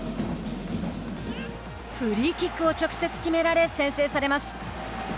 フリーキックを直接決められ先制されます。